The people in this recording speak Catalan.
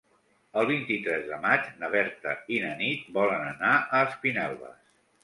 El vint-i-tres de maig na Berta i na Nit volen anar a Espinelves.